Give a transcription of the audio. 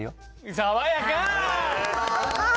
爽やか！